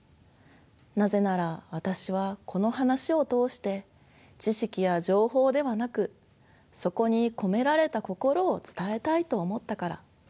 なぜなら私はこの話を通して知識や情報ではなくそこに込められた心を伝えたいと思ったから。